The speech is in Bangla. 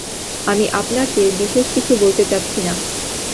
আমি আপনাকে বিশেষ কিছু বলতে চাচ্ছি না।